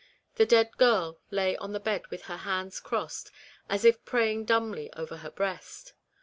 The dead girl lay on the bed with her hands crossed " as if praying dumbly over her breast."